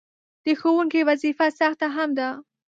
د ښوونکي وظیفه سخته هم ده.